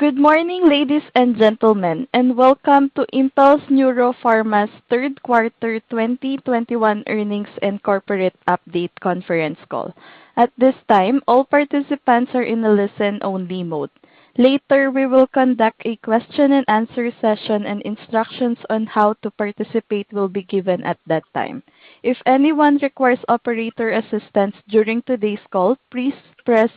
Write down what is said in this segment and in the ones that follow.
Good morning, ladies and gentlemen, and welcome to Impel NeuroPharma's third quarter 2021 earnings and corporate update conference call. At this time, all participants are in a listen-only mode. Later, we will conduct a question and answer session and instructions on how to participate will be given at that time. If anyone requires operator assistance during today's call, please press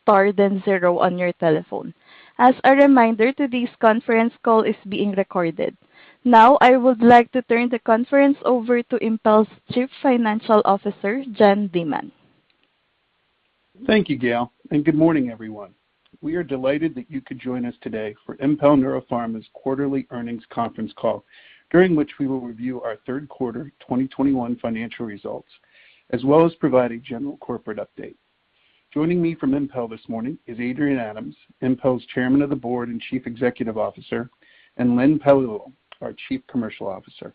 star then zero on your telephone. As a reminder, today's conference call is being recorded. Now, I would like to turn the conference over to Impel's Chief Financial Officer, John Leaman. Thank you, Gail, and good morning, everyone. We are delighted that you could join us today for Impel NeuroPharma's quarterly earnings conference call, during which we will review our third quarter 2021 financial results, as well as provide a general corporate update. Joining me from Impel this morning is Adrian Adams, Impel's Chairman of the Board and Chief Executive Officer, and Len Paolillo, our Chief Commercial Officer.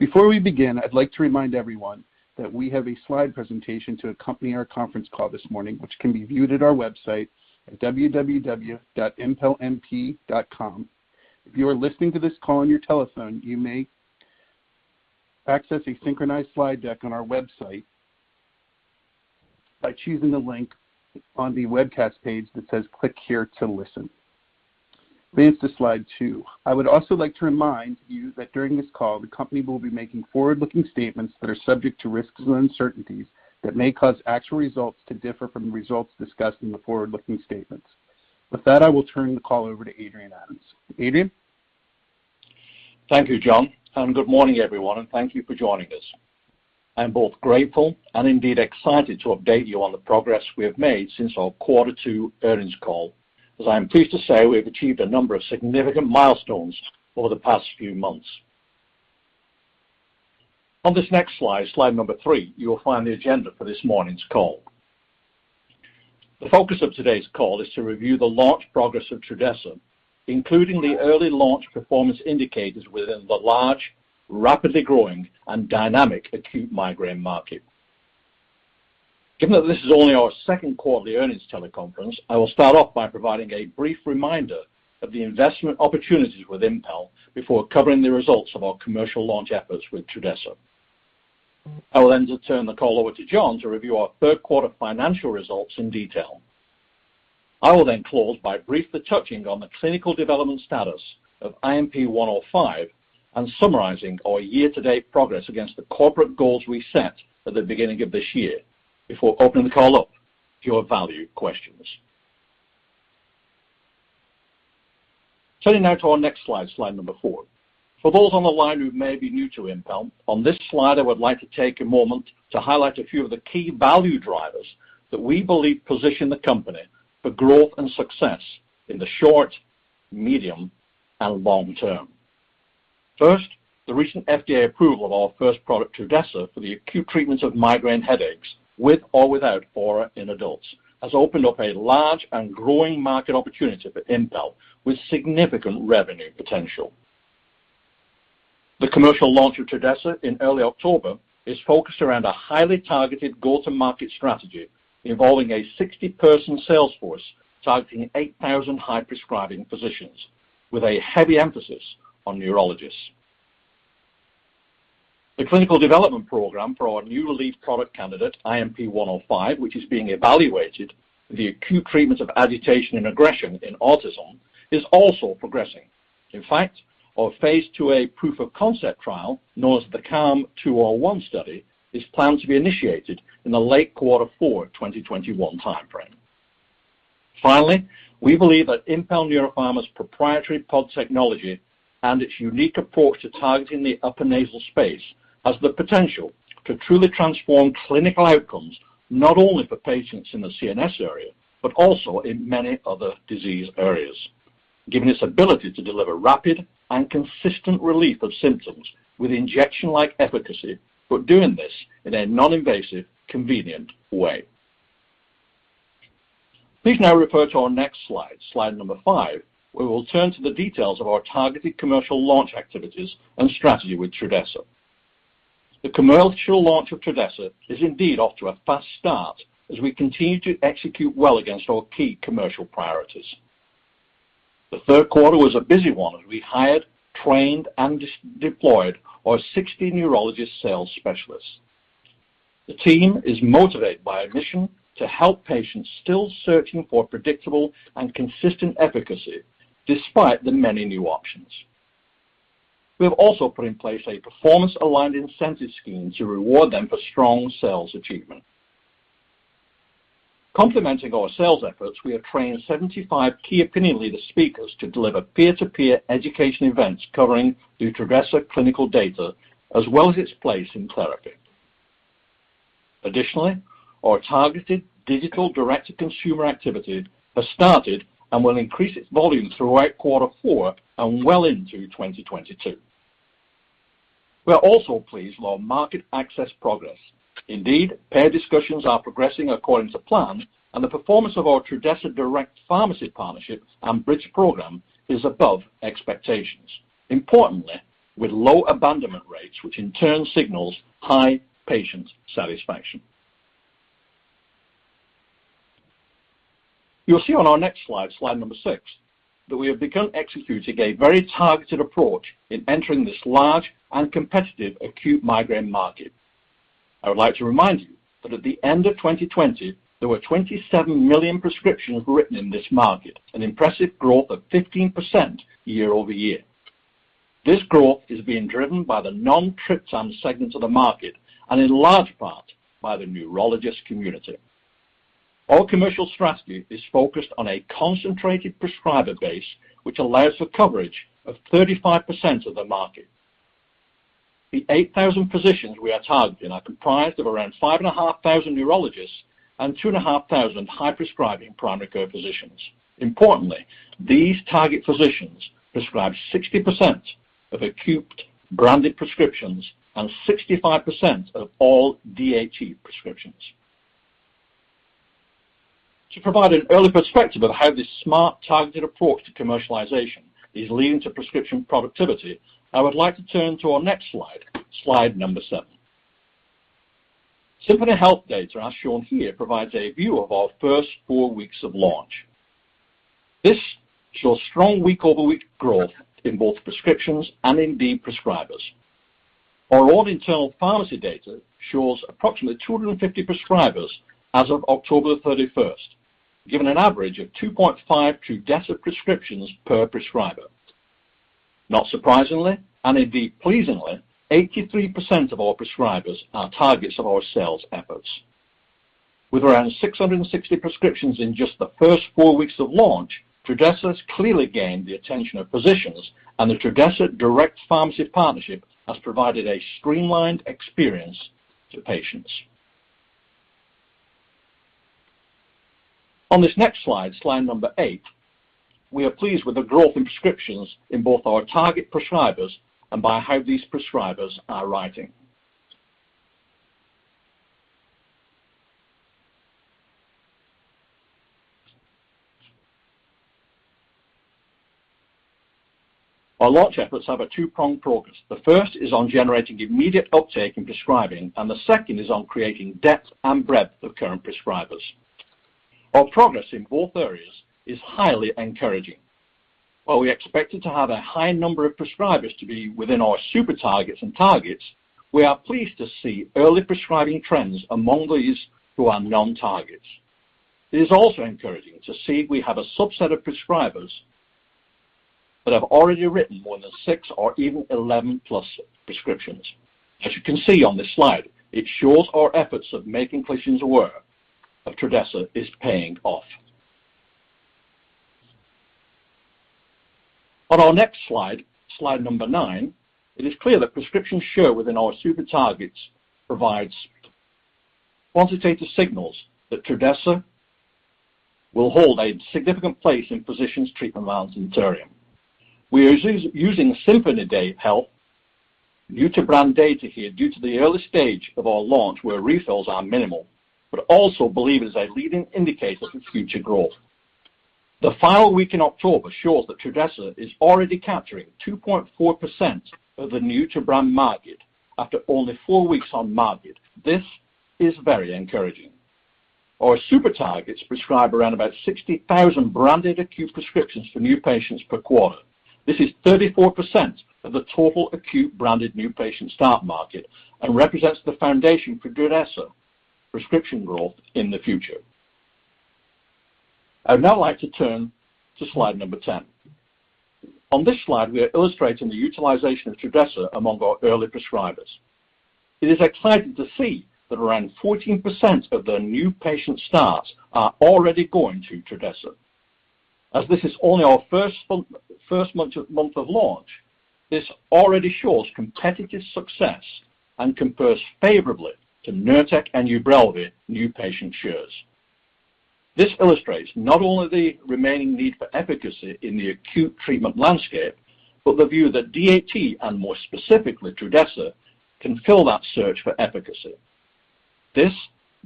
Before we begin, I'd like to remind everyone that we have a slide presentation to accompany our conference call this morning, which can be viewed at our website at www.impelnp.com. If you are listening to this call on your telephone, you may access a synchronized slide deck on our website by choosing the link on the webcast page that says, "Click here to listen." Please go to slide two. I would also like to remind you that during this call, the company will be making forward-looking statements that are subject to risks and uncertainties that may cause actual results to differ from the results discussed in the forward-looking statements. With that, I will turn the call over to Adrian Adams. Adrian? Thank you, John, and good morning, everyone, and thank you for joining us. I'm both grateful and indeed excited to update you on the progress we have made since our quarter two earnings call. As I am pleased to say, we have achieved a number of significant milestones over the past few months. On this next slide number three, you will find the agenda for this morning's call. The focus of today's call is to review the launch progress of Trudhesa, including the early launch performance indicators within the large, rapidly growing, and dynamic acute migraine market. Given that this is only our second quarterly earnings teleconference, I will start off by providing a brief reminder of the investment opportunities with Impel before covering the results of our commercial launch efforts with Trudhesa. I will then turn the call over to John to review our third quarter financial results in detail. I will then close by briefly touching on the clinical development status of INP105 and summarizing our year-to-date progress against the corporate goals we set at the beginning of this year before opening the call up for your value questions. Turning now to our next slide number four. For those on the line who may be new to Impel, on this slide, I would like to take a moment to highlight a few of the key value drivers that we believe position the company for growth and success in the short, medium, and long term. First, the recent FDA approval of our first product, Trudhesa, for the acute treatment of migraine headaches, with or without aura in adults, has opened up a large and growing market opportunity for Impel with significant revenue potential. The commercial launch of Trudhesa in early October is focused around a highly targeted go-to-market strategy involving a 60-person sales force targeting 8,000 high-prescribing physicians with a heavy emphasis on neurologists. The clinical development program for our new relief product candidate, INP105, which is being evaluated for the acute treatment of agitation and aggression in autism, is also progressing. In fact, our phase II-A proof-of-concept trial, known as the CALM 201 Study, is planned to be initiated in the late quarter four 2021 timeframe. Finally, we believe that Impel NeuroPharma's proprietary POD technology and its unique approach to targeting the upper nasal space has the potential to truly transform clinical outcomes, not only for patients in the CNS area, but also in many other disease areas, given its ability to deliver rapid and consistent relief of symptoms with injection-like efficacy, but doing this in a non-invasive, convenient way. Please now refer to our next slide number five, where we'll turn to the details of our targeted commercial launch activities and strategy with Trudhesa. The commercial launch of Trudhesa is indeed off to a fast start as we continue to execute well against our key commercial priorities. The third quarter was a busy one as we hired, trained, and deployed our 60 neurologist sales specialists. The team is motivated by a mission to help patients still searching for predictable and consistent efficacy despite the many new options. We have also put in place a performance-aligned incentive scheme to reward them for strong sales achievement. Complementing our sales efforts, we have trained 75 key opinion leader speakers to deliver peer-to-peer education events covering the Trudhesa clinical data as well as its place in therapy. Additionally, our targeted digital direct-to-consumer activity has started and will increase its volume throughout quarter four and well into 2022. We are also pleased with our market access progress. Indeed, payer discussions are progressing according to plan, and the performance of our Trudhesa direct pharmacy partnership and bridge program is above expectations. Importantly, with low abandonment rates, which in turn signals high patient satisfaction. You'll see on our next slide, slide number six, that we have begun executing a very targeted approach in entering this large and competitive acute migraine market. I would like to remind you that at the end of 2020, there were 27 million prescriptions written in this market, an impressive growth of 15% year-over-year. This growth is being driven by the non-triptan segments of the market and in large part by the neurologist community. Our commercial strategy is focused on a concentrated prescriber base, which allows for coverage of 35% of the market. The 8,000 physicians we are targeting are comprised of around 5,500 neurologists and 2,500 high-prescribing primary care physicians. Importantly, these target physicians prescribe 60% of acute branded prescriptions and 65% of all DAT prescriptions. To provide an early perspective of how this smart, targeted approach to commercialization is leading to prescription productivity, I would like to turn to our next slide, slide number seven. Symphony Health data, as shown here, provides a view of our first four weeks of launch. This shows strong week-over-week growth in both prescriptions and indeed prescribers. Our own internal pharmacy data shows approximately 250 prescribers as of October 31st, giving an average of 2.5 Trudhesa prescriptions per prescriber. Not surprisingly, and indeed pleasingly, 83% of our prescribers are targets of our sales efforts. With around 660 prescriptions in just the first four weeks of launch, Trudhesa has clearly gained the attention of physicians, and the Trudhesa direct pharmacy partnership has provided a streamlined experience to patients. On this next slide, slide number eight, we are pleased with the growth in prescriptions in both our target prescribers and by how these prescribers are writing. Our launch efforts have a two-pronged progress. The first is on generating immediate uptake in prescribing, and the second is on creating depth and breadth of current prescribers. Our progress in both areas is highly encouraging. While we expected to have a high number of prescribers to be within our super targets and targets, we are pleased to see early prescribing trends among those who are non-targets. It is also encouraging to see we have a subset of prescribers that have already written more than six or even 11+ prescriptions. As you can see on this slide, it shows our efforts of making physicians aware of Trudhesa is paying off. On our next slide, slide number nine, it is clear that prescription share within our super targets provides quantitative signals that Trudhesa will hold a significant place in physicians' treatment. We are using Symphony Health new to brand data here due to the early stage of our launch where refills are minimal, but we also believe it is a leading indicator for future growth. The final week in October shows that Trudhesa is already capturing 2.4% of the new to brand market after only four weeks on market. This is very encouraging. Our super targets prescribe around about 60,000 branded acute prescriptions for new patients per quarter. This is 34% of the total acute branded new patient start market and represents the foundation for Trudhesa prescription growth in the future. I'd now like to turn to slide number 10. On this slide, we are illustrating the utilization of Trudhesa among our early prescribers. It is exciting to see that around 14% of the new patient starts are already going to Trudhesa. As this is only our first month of launch, this already shows competitive success and compares favorably to Nurtec and UBRELVY new patient shares. This illustrates not only the remaining need for efficacy in the acute treatment landscape, but the view that DHE, and more specifically Trudhesa, can fill that search for efficacy. This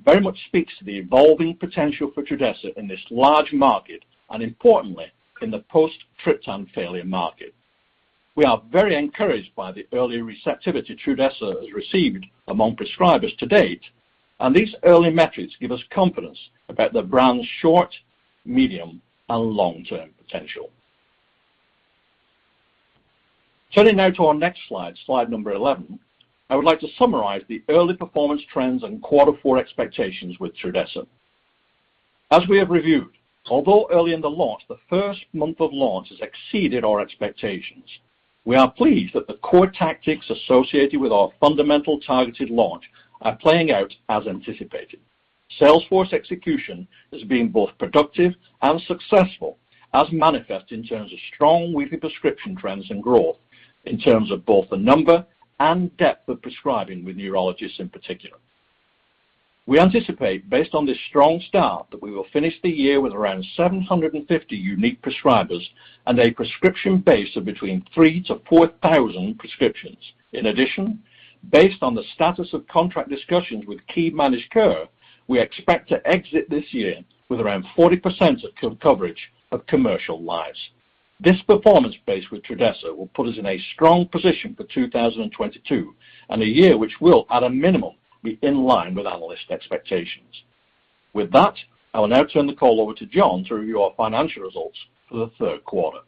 very much speaks to the evolving potential for Trudhesa in this large market, and importantly, in the post triptan failure market. We are very encouraged by the early receptivity Trudhesa has received among prescribers to date, and these early metrics give us confidence about the brand's short, medium, and long-term potential. Turning now to our next slide, slide number 11, I would like to summarize the early performance trends and quarter four expectations with Trudhesa. As we have reviewed, although early in the launch, the first month of launch has exceeded our expectations. We are pleased that the core tactics associated with our fundamental targeted launch are playing out as anticipated. Sales force execution has been both productive and successful, as manifest in terms of strong weekly prescription trends and growth, in terms of both the number and depth of prescribing with neurologists in particular. We anticipate, based on this strong start, that we will finish the year with around 750 unique prescribers and a prescription base of between 3,000-4,000 prescriptions. In addition, based on the status of contract discussions with key managed care, we expect to exit this year with around 40% of coverage of commercial lives. This performance base with Trudhesa will put us in a strong position for 2022 and a year which will, at a minimum, be in line with analyst expectations. With that, I will now turn the call over to John to review our financial results for the third quarter.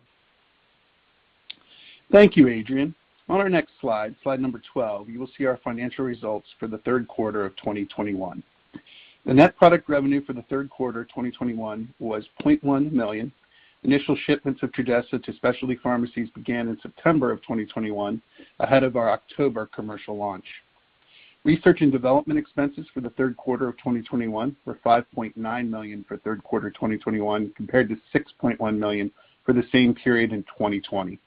Thank you, Adrian. On our next slide, slide number 12, you will see our financial results for the third quarter of 2021. The net product revenue for the third quarter 2021 was $0.1 million. Initial shipments of Trudhesa to specialty pharmacies began in September of 2021, ahead of our October commercial launch. Research and development expenses for the third quarter of 2021 were $5.9 million for third quarter 2021, compared to $6.1 million for the same period in 2020.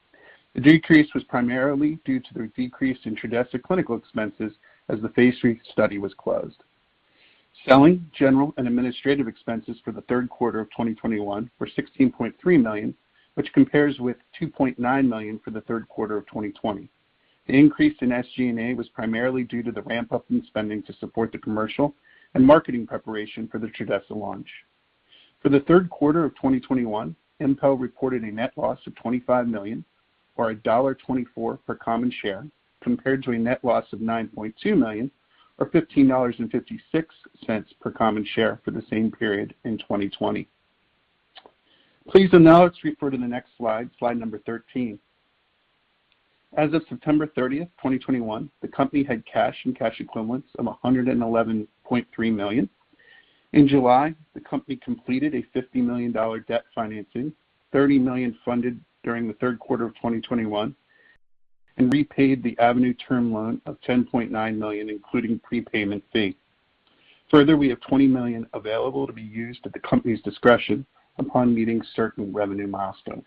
The decrease was primarily due to the decrease in Trudhesa clinical expenses as the phase III study was closed. Selling, general and administrative expenses for the third quarter of 2021 were $16.3 million, which compares with $2.9 million for the third quarter of 2020. The increase in SG&A was primarily due to the ramp up in spending to support the commercial and marketing preparation for the Trudhesa launch. For the third quarter of 2021, Impel reported a net loss of $25 million or $1.24/common share, compared to a net loss of $9.2 million or $15.56/common share for the same period in 2020. Please now let's refer to the next slide, slide number 13. As of September 30th, 2021, the company had cash and cash equivalents of $111.3 million. In July, the company completed a $50 million debt financing, $30 million funded during the third quarter of 2021, and repaid the Avenue term loan of $10.9 million, including prepayment fee. Further, we have $20 million available to be used at the company's discretion upon meeting certain revenue milestones.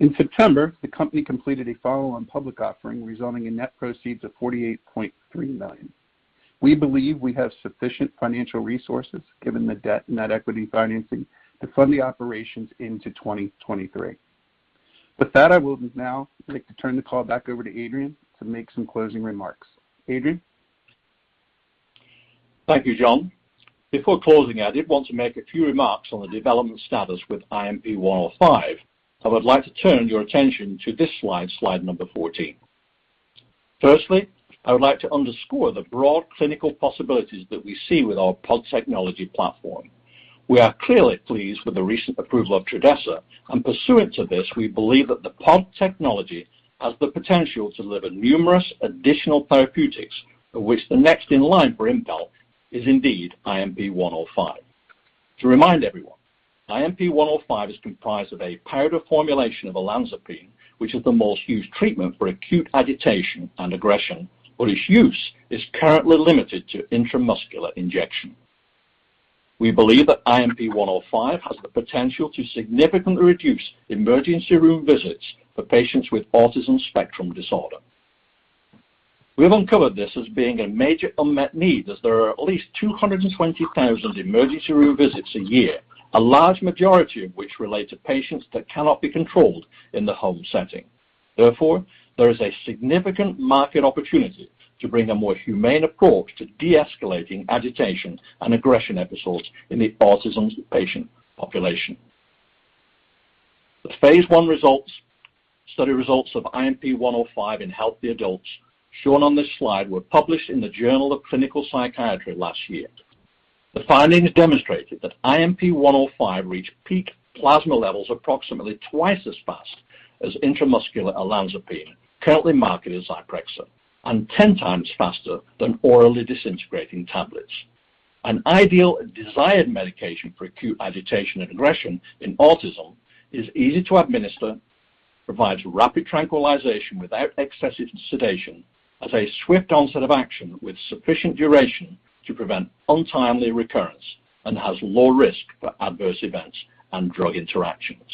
In September, the company completed a follow-on public offering, resulting in net proceeds of $48.3 million. We believe we have sufficient financial resources given the debt and net equity financing to fund the operations into 2023. With that, I would like to turn the call back over to Adrian to make some closing remarks. Adrian? Thank you, John. Before closing, I did want to make a few remarks on the development status with INP105. I would like to turn your attention to this slide number 14. First, I would like to underscore the broad clinical possibilities that we see with our POD technology platform. We are clearly pleased with the recent approval of Trudhesa and pursuant to this, we believe that the POD technology has the potential to deliver numerous additional therapeutics, of which the next in line for Impel is indeed INP105. To remind everyone, INP105 is comprised of a powder formulation of olanzapine, which is the most used treatment for acute agitation and aggression, but its use is currently limited to intramuscular injection. We believe that INP105 has the potential to significantly reduce emergency room visits for patients with autism spectrum disorder. We have uncovered this as being a major unmet need as there are at least 220,000 emergency room visits a year, a large majority of which relate to patients that cannot be controlled in the home setting. Therefore, there is a significant market opportunity to bring a more humane approach to de-escalating agitation and aggression episodes in the autism patient population. The phase I study results of INP105 in healthy adults shown on this slide were published in The Journal of Clinical Psychiatry last year. The findings demonstrated that INP105 reached peak plasma levels approximately twice as fast as intramuscular olanzapine, currently marketed as Zyprexa, and ten times faster than orally disintegrating tablets. An ideal desired medication for acute agitation and aggression in autism is easy to administer, provides rapid tranquilization without excessive sedation, has a swift onset of action with sufficient duration to prevent untimely recurrence, and has low risk for adverse events and drug interactions.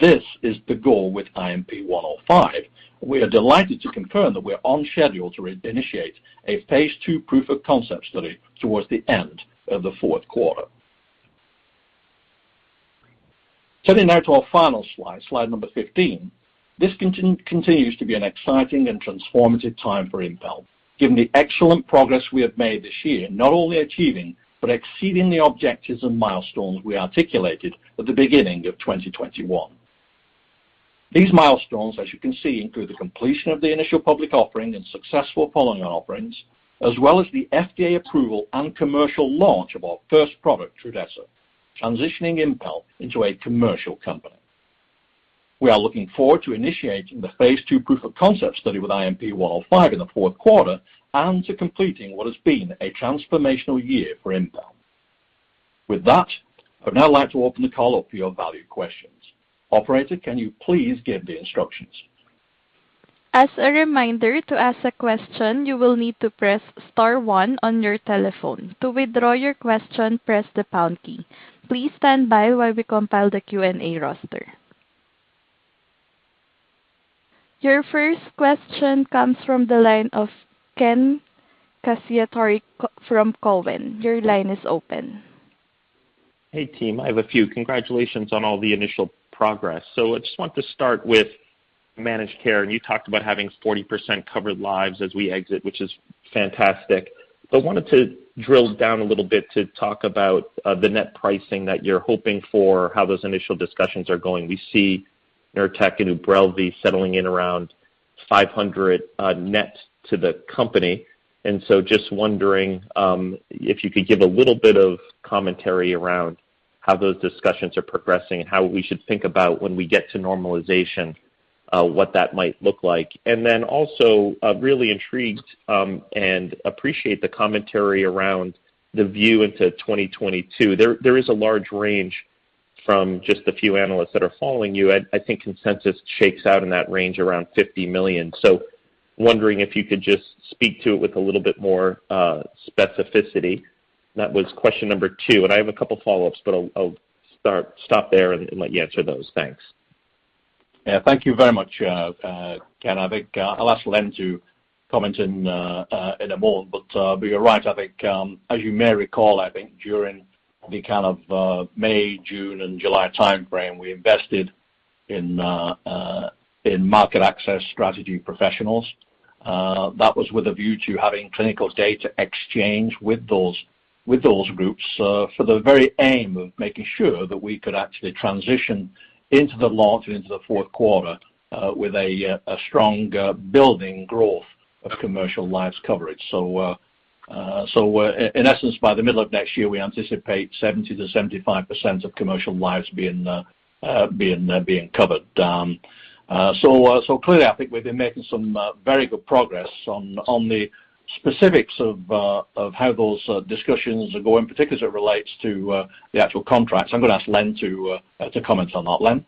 This is the goal with INP105. We are delighted to confirm that we're on schedule to re-initiate a phase II proof-of-concept study towards the end of the fourth quarter. Turning now to our final slide, slide number 15. This continues to be an exciting and transformative time for Impel, given the excellent progress we have made this year, not only achieving but exceeding the objectives and milestones we articulated at the beginning of 2021. These milestones, as you can see, include the completion of the initial public offering and successful following offerings, as well as the FDA approval and commercial launch of our first product, Trudhesa, transitioning Impel into a commercial company. We are looking forward to initiating the phase II proof-of-concept study with INP105 in the fourth quarter and to completing what has been a transformational year for Impel. With that, I'd now like to open the call up for your valued questions. Operator, can you please give the instructions? Your first question comes from the line of Ken Cacciatore from Cowen. Your line is open. Hey, team. I have a few. Congratulations on all the initial progress. I just want to start with managed care, and you talked about having 40% covered lives as we exit, which is fantastic. Wanted to drill down a little bit to talk about the net pricing that you're hoping for, how those initial discussions are going. We see Nurtec and UBRELVY settling in around $500 net to the company. Just wondering if you could give a little bit of commentary around how those discussions are progressing and how we should think about when we get to normalization, what that might look like. Really intrigued and appreciate the commentary around the view into 2022. There is a large range from just a few analysts that are following you. I think consensus shakes out in that range around $50 million. Wondering if you could just speak to it with a little bit more specificity. That was question number two, and I have a couple of follow-ups, but I'll stop there and let you answer those. Thanks. Yeah, thank you very much, Ken. I think I'll ask Len to comment in a moment. You're right. I think as you may recall, I think during the kind of May, June, and July timeframe, we invested in market access strategy professionals. That was with a view to having clinical data exchange with those groups for the very aim of making sure that we could actually transition into the launch into the fourth quarter with a strong building growth of commercial lives coverage. In essence, by the middle of next year, we anticipate 70%-75% of commercial lives being covered. Clearly, I think we've been making some very good progress. On the specifics of how those discussions are going, particularly as it relates to the actual contracts, I'm going to ask Len to comment on that. Len?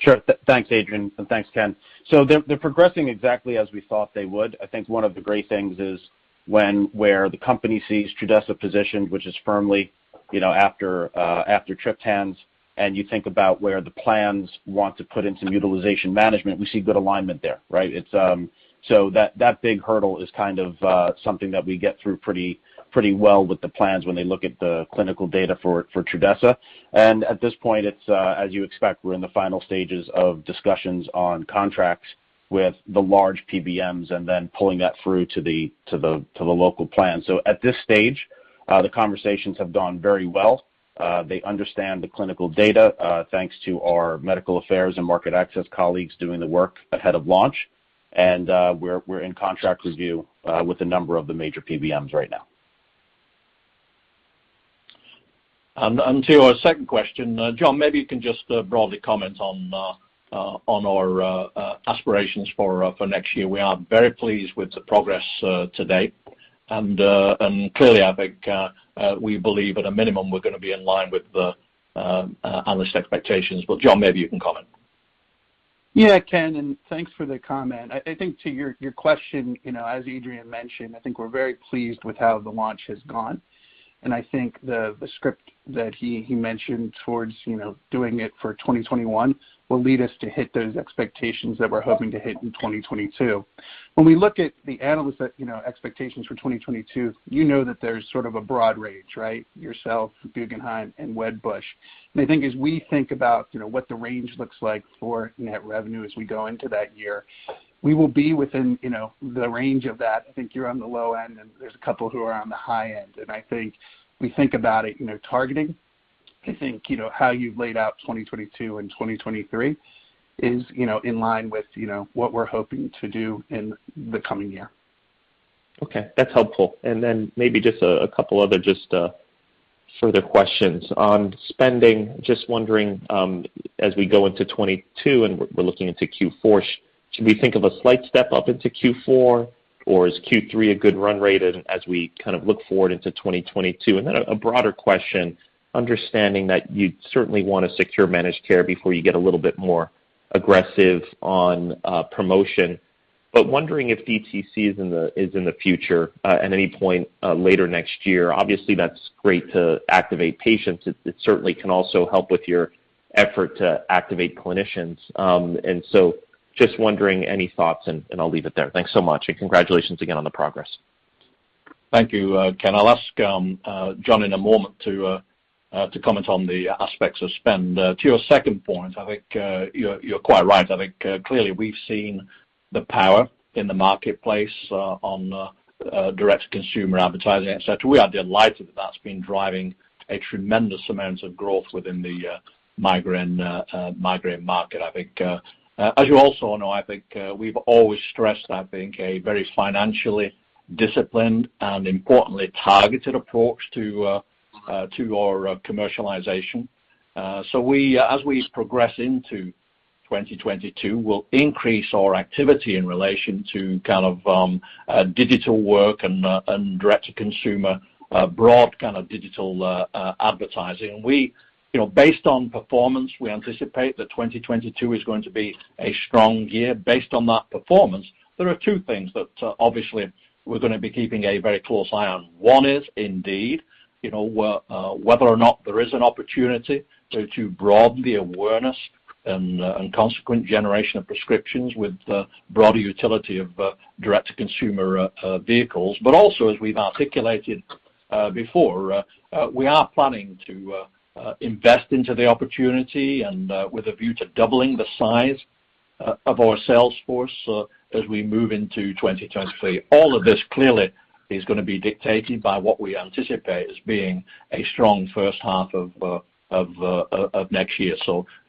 Sure. Thanks, Adrian, and thanks, Ken. They're progressing exactly as we thought they would. I think one of the great things is where the company sees Trudhesa positioned, which is firmly, you know, after triptans, and you think about where the plans want to put into utilization management, we see good alignment there, right? It's that big hurdle is kind of something that we get through pretty well with the plans when they look at the clinical data for Trudhesa. At this point, it's as you expect, we're in the final stages of discussions on contracts with the large PBMs and then pulling that through to the local plan. At this stage, the conversations have gone very well. They understand the clinical data, thanks to our medical affairs and market access colleagues doing the work ahead of launch. We're in contract review with a number of the major PBMs right now. To your second question, John, maybe you can just broadly comment on our aspirations for next year. We are very pleased with the progress to date. Clearly, I think, we believe at a minimum, we're gonna be in line with the analyst expectations. John, maybe you can comment? Yeah, Ken, thanks for the comment. I think to your question, you know, as Adrian mentioned, I think we're very pleased with how the launch has gone. I think the script that he mentioned toward, you know, doing it for 2021 will lead us to hit those expectations that we're hoping to hit in 2022. When we look at the analyst expectations for 2022, you know that there's sort of a broad range, right? Yourself, Guggenheim, and Wedbush. I think as we think about, you know, what the range looks like for net revenue as we go into that year, we will be within, you know, the range of that. I think you're on the low end, and there's a couple who are on the high end. I think we think about it, you know, targeting. I think, you know, how you've laid out 2022 and 2023 is, you know, in line with, you know, what we're hoping to do in the coming year. Okay, that's helpful. Maybe just a couple other further questions. On spending, just wondering as we go into 2022 and we're looking into Q4, should we think of a slight step up into Q4? Or is Q3 a good run rate as we kind of look forward into 2022? A broader question, understanding that you'd certainly want to secure managed care before you get a little bit more aggressive on promotion. Wondering if DTC is in the future at any point later next year. Obviously, that's great to activate patients. It certainly can also help with your effort to activate clinicians. Just wondering, any thoughts, and I'll leave it there. Thanks so much, and congratulations again on the progress. Thank you, Ken. I'll ask John in a moment to comment on the aspects of spend. To your second point, I think you're quite right. I think clearly we've seen the power in the marketplace on direct-to-consumer advertising, et cetera. We are delighted that that's been driving a tremendous amount of growth within the migraine market. I think as you also know, I think we've always stressed, I think, a very financially disciplined and importantly targeted approach to our commercialization. So as we progress into 2022, we'll increase our activity in relation to kind of digital work and direct-to-consumer broad kind of digital advertising. We... You know, based on performance, we anticipate that 2022 is going to be a strong year based on that performance. There are two things that obviously we're gonna be keeping a very close eye on. One is indeed, you know, whether or not there is an opportunity to broaden the awareness and consequent generation of prescriptions with the broader utility of direct to consumer vehicles. As we've articulated before, we are planning to invest into the opportunity and with a view to doubling the size of our sales force as we move into 2023. All of this clearly is gonna be dictated by what we anticipate as being a strong first half of next year.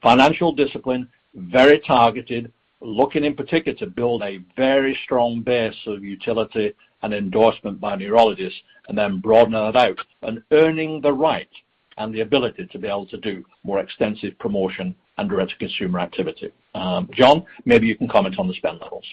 Financial discipline, very targeted, looking in particular to build a very strong base of utility and endorsement by neurologists and then broaden that out and earning the right and the ability to be able to do more extensive promotion and direct consumer activity. John, maybe you can comment on the spend levels?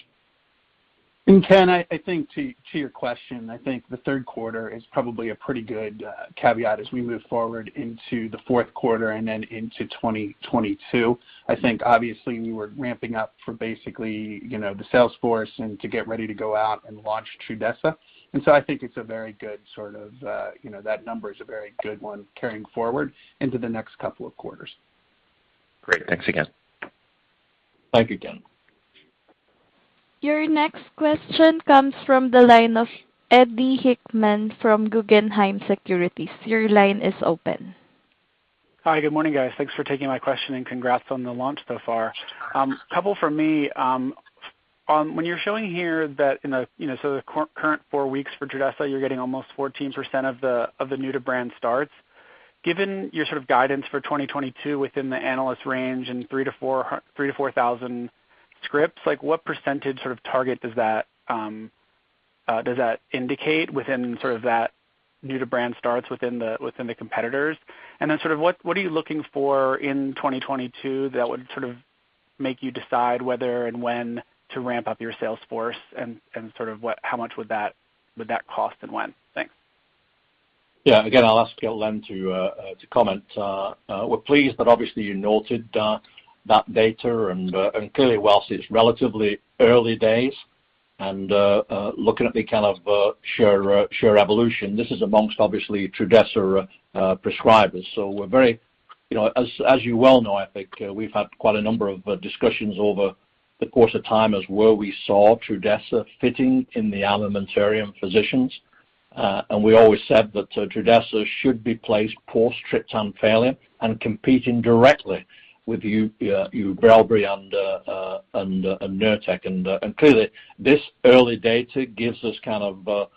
Ken, I think to your question, I think the third quarter is probably a pretty good caveat as we move forward into the fourth quarter and then into 2022. I think obviously we were ramping up for basically, you know, the sales force and to get ready to go out and launch Trudhesa. I think it's a very good sort of, you know, that number is a very good one carrying forward into the next couple of quarters. Great. Thanks again. Thank you, Ken. Your next question comes from the line of Eddie Hickman from Guggenheim Securities. Your line is open. Hi, good morning, guys. Thanks for taking my question, and congrats on the launch so far. Couple from me. When you're showing here that in the, you know, sort of current four weeks for Trudhesa, you're getting almost 14% of the new-to-brand starts. Given your sort of guidance for 2022 within the analyst range and 3,000-4,000 scripts, like, what percentage sort of target does that indicate within sort of that new-to-brand starts within the competitors? Then sort of what are you looking for in 2022 that would sort of make you decide whether and when to ramp up your sales force and sort of what how much would that cost and when? Thanks. Yeah. Again, I'll ask Len to comment. We're pleased that obviously you noted that data and clearly while it's relatively early days and looking at the kind of share evolution, this is among obviously Trudhesa prescribers. We're very, you know, as you well know, I think, we've had quite a number of discussions over the course of time as to where we saw Trudhesa fitting in the physicians' armamentarium. We always said that Trudhesa should be placed post triptan failure and competing directly with UBRELVY and Nurtec. Clearly this early data gives us kind of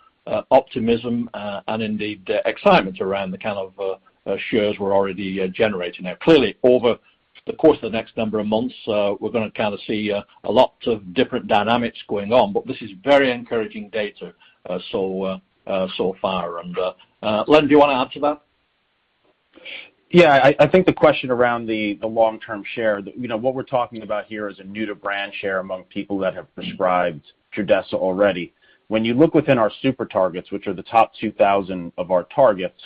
optimism and indeed excitement around the kind of shares we're already generating. Now, clearly, over the course of the next number of months, we're gonna kind of see a lot of different dynamics going on, but this is very encouraging data so far. Len, do you wanna add to that? Yeah. I think the question around the long-term share, you know, what we're talking about here is a new-to-brand share among people that have prescribed Trudhesa already. When you look within our super targets, which are the top 2,000 of our targets,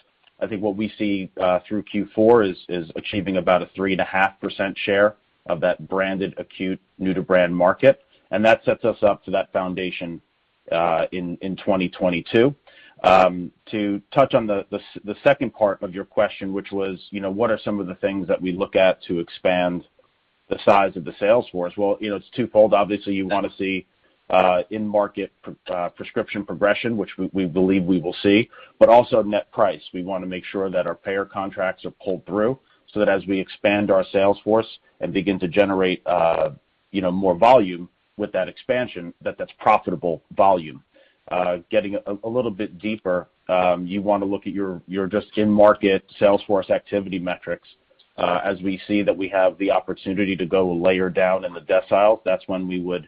I think what we see through Q4 is achieving about a 3.5% share of that branded acute new-to-brand market, and that sets us up to that foundation in 2022. To touch on the second part of your question, which was, you know, what are some of the things that we look at to expand the size of the sales force? Well, you know, it's twofold. Obviously, you wanna see in market prescription progression, which we believe we will see, but also net price. We wanna make sure that our payer contracts are pulled through so that as we expand our sales force and begin to generate more volume with that expansion, that that's profitable volume. Getting a little bit deeper, you wanna look at your just in market sales force activity metrics. As we see that we have the opportunity to go lower down in the deciles, that's when we would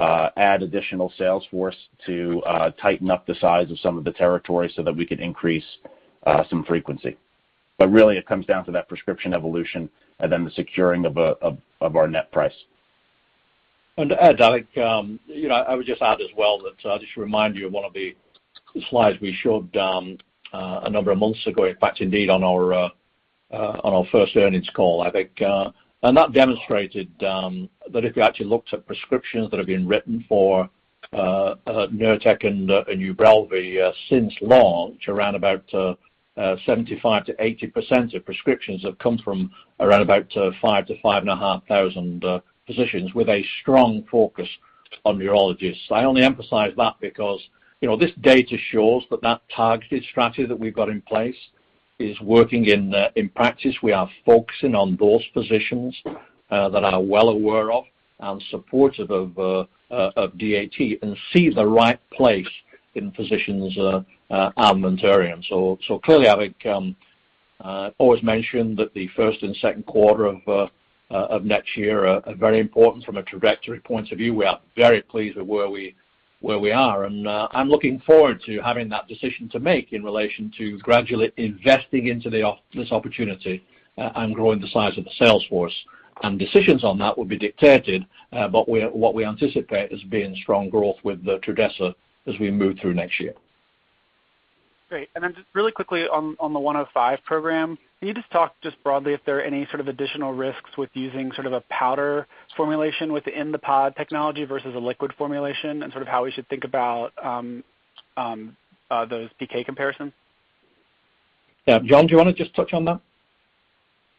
add additional sales force to tighten up the size of some of the territories so that we can increase some frequency. Really it comes down to that prescription evolution and then the securing of our net price. To add, I think, you know, I would just add as well that I'll just remind you of one of the slides we showed, a number of months ago, in fact, indeed on our first earnings call, I think. That demonstrated that if you actually looked at prescriptions that have been written for Nurtec and UBRELVY since launch, around about 75%-80% of prescriptions have come from around about 5,000-5,500 physicians with a strong focus on neurologists. I only emphasize that because, you know, this data shows that that targeted strategy that we've got in place is working in practice. We are focusing on those physicians that are well aware of and supportive of DAT and see the right place in physicians' armamentarium. Clearly, I think I've always mentioned that the first and second quarter of next year are very important from a trajectory point of view. We are very pleased with where we are, and I'm looking forward to having that decision to make in relation to gradually investing into this opportunity and growing the size of the sales force. Decisions on that will be dictated by what we anticipate as being strong growth with the Trudhesa as we move through next year. Great. Then just really quickly on the 105 program, can you just talk just broadly if there are any sort of additional risks with using sort of a powder formulation within the POD technology versus a liquid formulation and sort of how we should think about those PK comparisons? Yeah. John, do you wanna just touch on that?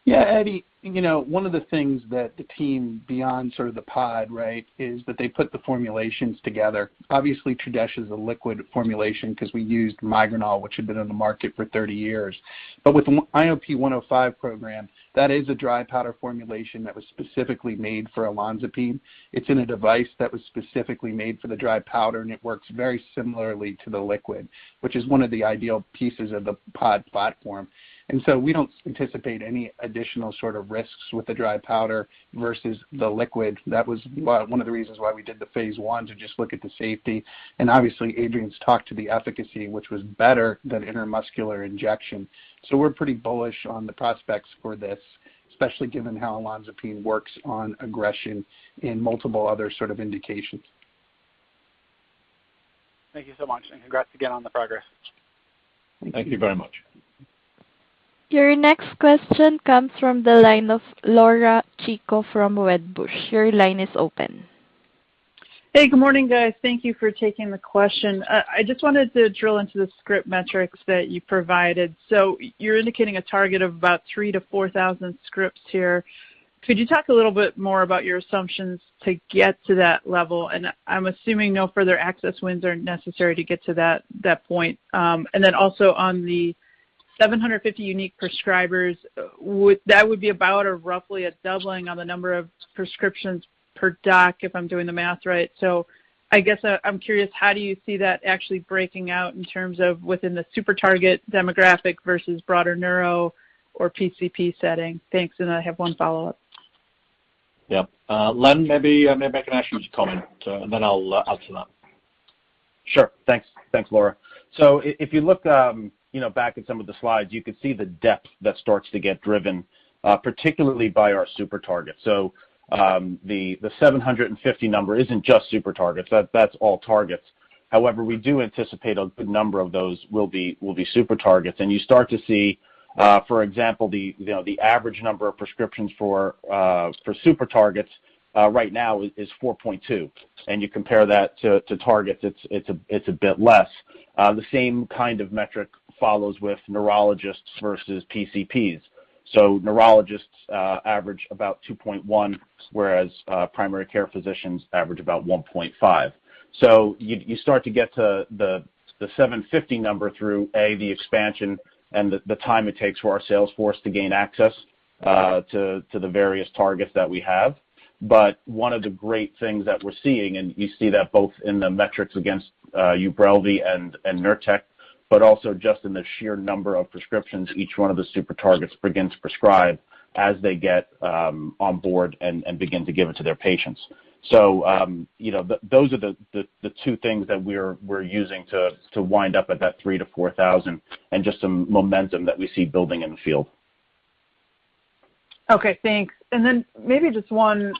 Yeah, Eddie, you know, one of the things that the team beyond sort of the POD, right, is that they put the formulations together. Obviously, Trudhesa is a liquid formulation because we used Migranal, which had been on the market for 30 years. With INP105 program, that is a dry powder formulation that was specifically made for olanzapine. It's in a device that was specifically made for the dry powder, and it works very similarly to the liquid, which is one of the ideal pieces of the POD platform. We don't anticipate any additional sort of risks with the dry powder versus the liquid. That was one of the reasons why we did the phase I to just look at the safety. Obviously, Adrian's talked to the efficacy, which was better than intramuscular injection. We're pretty bullish on the prospects for this, especially given how olanzapine works on aggression in multiple other sort of indications. Thank you so much, and congrats again on the progress. Thank you very much. Your next question comes from the line of Laura Chico from Wedbush. Your line is open. Hey, good morning, guys. Thank you for taking the question. I just wanted to drill into the script metrics that you provided. So you're indicating a target of about 3,000-4,000 scripts here. Could you talk a little bit more about your assumptions to get to that level? I'm assuming no further access wins are necessary to get to that point. Then also on the 750 unique prescribers, would that be about or roughly a doubling on the number of prescriptions per doc, if I'm doing the math right. I guess I'm curious, how do you see that actually breaking out in terms of within the super target demographic versus broader neuro or PCP setting? Thanks, and I have one follow-up. Yep. Len, maybe I can ask you to comment, and then I'll add to that. Sure. Thanks. Thanks, Laura. If you look, you know, back at some of the slides, you could see the depth that starts to get driven, particularly by our super targets. The 750 number isn't just super targets, that's all targets. However, we do anticipate a good number of those will be super targets. You start to see, for example, you know, the average number of prescriptions for super targets right now is 4.2. You compare that to targets, it's a bit less. The same kind of metric follows with neurologists versus PCPs. Neurologists average about 2.1, whereas primary care physicians average about 1.5. You start to get to the 750 number through the expansion and the time it takes for our sales force to gain access to the various targets that we have. One of the great things that we're seeing, and you see that both in the metrics against UBRELVY and Nurtec, but also just in the sheer number of prescriptions each one of the super targets begins to prescribe as they get on board and begin to give it to their patients. You know, those are the two things that we're using to wind up at that 3,000-4,000 and just some momentum that we see building in the field. Okay, thanks. Then maybe just one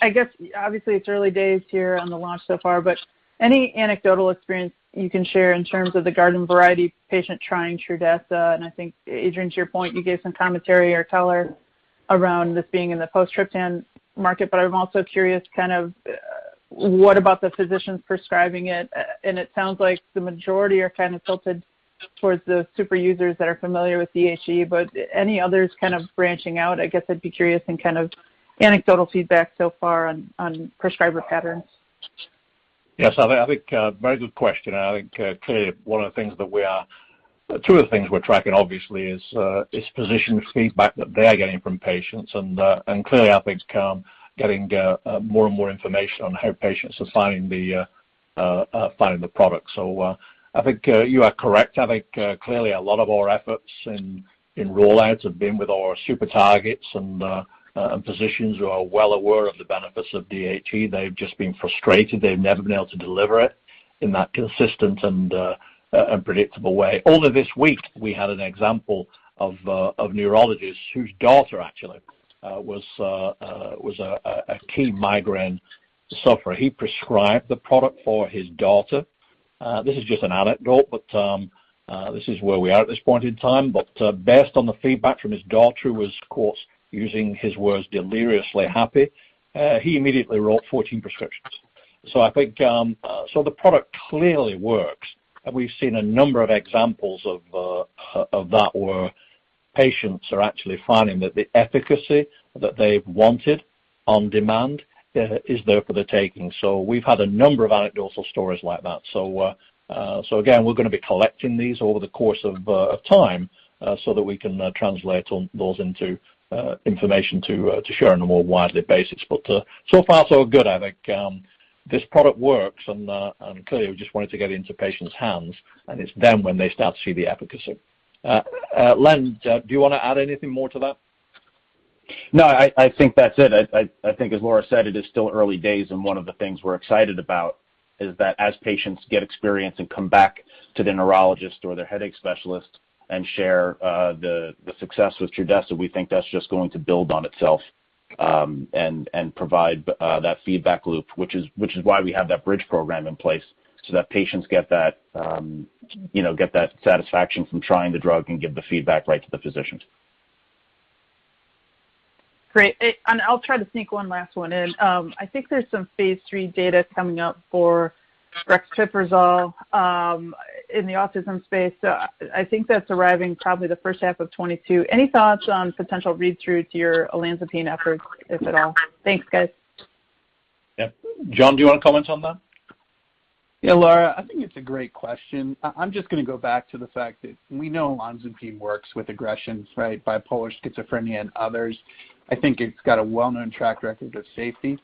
I guess, obviously, it's early days here on the launch so far, but any anecdotal experience you can share in terms of the garden variety patient trying Trudhesa. I think, Adrian, to your point, you gave some commentary or color around this being in the post triptan market, but I'm also curious kind of what about the physicians prescribing it? And it sounds like the majority are kind of tilted towards the super users that are familiar with DHE, but any others kind of branching out? I guess I'd be curious in kind of anecdotal feedback so far on prescriber patterns. Yes, I think, very good question. I think, clearly two of the things we're tracking, obviously, is physician feedback that they are getting from patients. Clearly I think getting more and more information on how patients are finding the product. I think, you are correct. I think, clearly a lot of our efforts in roll-outs have been with our super targets and physicians who are well aware of the benefits of DHE. They've just been frustrated. They've never been able to deliver it in that consistent and predictable way. Although this week we had an example of neurologists whose daughter actually was a key migraine sufferer. He prescribed the product for his daughter. This is just an anecdote, but this is where we are at this point in time. Based on the feedback from his daughter, who was, of course, using his words deliriously happy, he immediately wrote 14 prescriptions. I think the product clearly works. We've seen a number of examples of that where patients are actually finding that the efficacy that they've wanted on demand is there for the taking. We've had a number of anecdotal stories like that. Again, we're gonna be collecting these over the course of time so that we can translate those into information to share on a more widely basis. So far so good. I think, this product works and clearly we just wanted to get into patients' hands, and it's then when they start to see the efficacy. Len, do you wanna add anything more to that? No, I think that's it. I think as Laura said, it is still early days, and one of the things we're excited about is that as patients get experience and come back to their neurologist or their headache specialist and share the success with Trudhesa, we think that's just going to build on itself, and provide that feedback loop, which is why we have that bridge program in place, so that patients get that, you know, get that satisfaction from trying the drug and give the feedback right to the physicians. Great. I'll try to sneak one last one in. I think there's some phase III data coming up for brexpiprazole in the autism space. I think that's arriving probably the first half of 2022. Any thoughts on potential read-through to your olanzapine efforts, if at all? Thanks, guys. Yeah. John, do you wanna comment on that? Yeah, Laura, I think it's a great question. I'm just gonna go back to the fact that we know olanzapine works with aggressions, right? Bipolar, schizophrenia, and others. I think it's got a well-known track record of safety.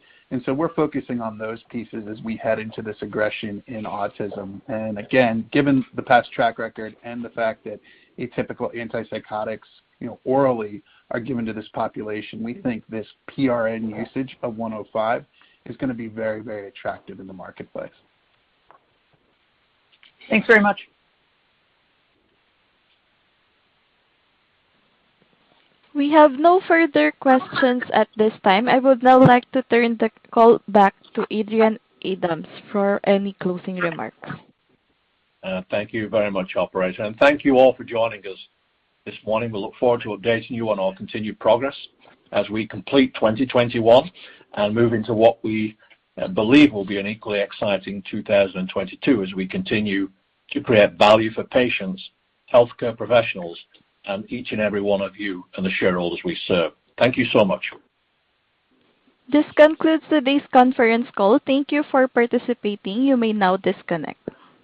We're focusing on those pieces as we head into this aggression in autism. Again, given the past track record and the fact that atypical antipsychotics, you know, orally are given to this population, we think this PRN usage of 105 is gonna be very, very attractive in the marketplace. Thanks very much. We have no further questions at this time. I would now like to turn the call back to Adrian Adams for any closing remarks. Thank you very much, Operator. Thank you all for joining us this morning. We look forward to updating you on our continued progress as we complete 2021 and move into what we believe will be an equally exciting 2022 as we continue to create value for patients, healthcare professionals, and each and every one of you and the shareholders we serve. Thank you so much. This concludes today's conference call. Thank you for participating. You may now disconnect.